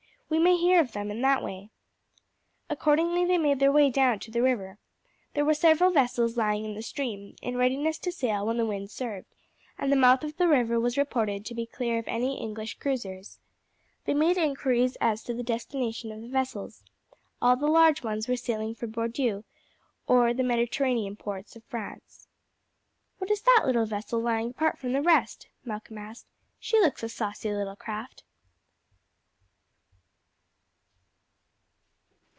We may hear of them in that way." Accordingly they made their way down to the river. There were several vessels lying in the stream, in readiness to sail when the wind served, and the mouth of the river was reported to be clear of any English cruisers. They made inquiries as to the destination of the vessels. All the large ones were sailing for Bordeaux or the Mediterranean ports of France. "What is that little vessel lying apart from the rest?" Malcolm asked. "She looks a saucy little craft."